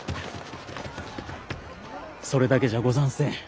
それだけじゃござんせん。